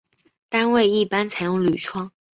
单位一般采用铝窗。